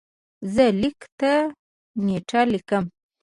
زه لیک ته نېټه لیکم.